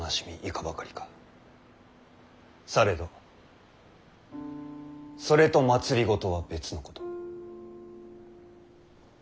されどそれと政は別のこと。